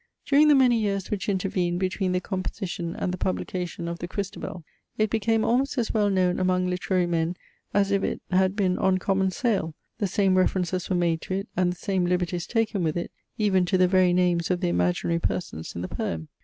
During the many years which intervened between the composition and the publication of the CHRISTABEL, it became almost as well known among literary men as if it had been on common sale; the same references were made to it, and the same liberties taken with it, even to the very names of the imaginary persons in the poem.